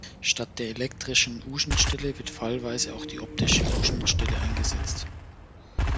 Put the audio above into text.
Statt der elektrischen U-Schnittstelle wird fallweise auch die optische U-Schnittstelle eingesetzt.